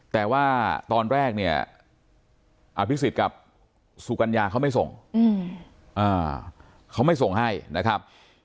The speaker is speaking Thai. แต่ว่าตอนแรกเนี่ยอภิษฎกับสุกัญญาเขาไม่ส่งเขาไม่ส่งให้นะครับ